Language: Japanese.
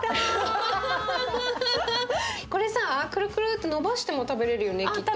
これさクルクルっと伸ばしても食べれるよねきっと。